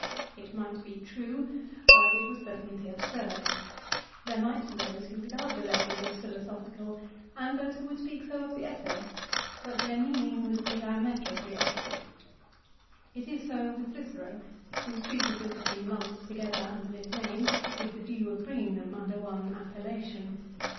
It might be true, but it would certainly be absurd. There might be those who regard the letters as philosophical, and those who would so speak of the essays ; but their meaning would be diametrically opposite. It is so with Cicero, whose treatises have been lumped together under this name with the view of bringing them under one appellation.